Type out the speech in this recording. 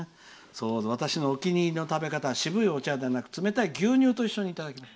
「私のお気に入りの食べ方は渋いお茶じゃなく冷たい牛乳と一緒にいただきます」。